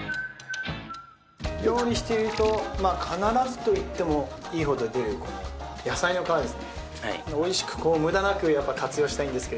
料理していると必ずと言ってもいいほど出るこの野菜の皮ですね